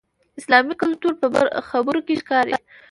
اسلامي کلتور په خبرو کې ښکاري.